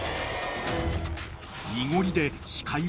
［濁りで］